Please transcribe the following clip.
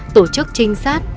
tổ chức trinh sát